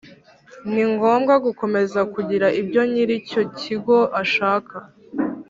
Ni ngombwa gukomeza kugira ibyo nyir icyo cyigo ashaka